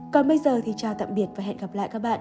còn bây giờ thì chào tạm biệt và hẹn gặp lại các bạn